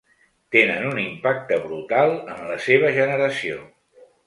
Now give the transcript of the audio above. Tenen un impacte brutal en la seva generació.